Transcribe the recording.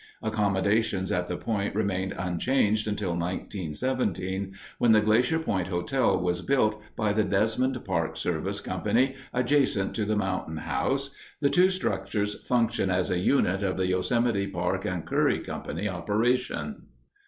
Accommodations at the point remained unchanged until 1917, when the Glacier Point Hotel was built by the Desmond Park Service Company adjacent to the Mountain House. The two structures function as a unit of the Yosemite Park and Curry Company operation.